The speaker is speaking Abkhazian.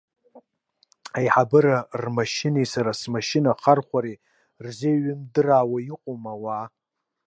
Аиҳабыра рмашьынеи сара смашьына хәархәари рзеиҩымдыраауа иҟоума ауаа?